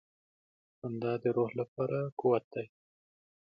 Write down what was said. • خندا د روح لپاره قوت دی.